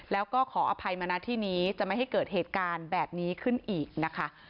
แล้วก็ขออภัยมานะที่นี้จะไม่ให้เกิดเหตุการณ์แบบนี้ขึ้นอีกนะคะ